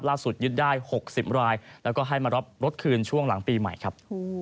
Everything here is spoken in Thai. ยึดได้๖๐รายแล้วก็ให้มารับรถคืนช่วงหลังปีใหม่ครับ